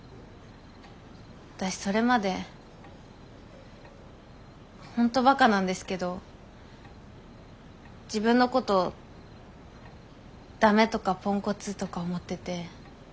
私それまで本当バカなんですけど自分のことを駄目とかポンコツとか思ってて。